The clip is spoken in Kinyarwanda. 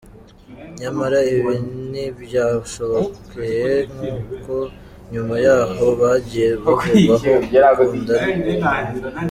Nyamara ibi ntibyabashobokeye, kuko nyuma y’aho bagiye bavugwaho gukundana mu ibanga.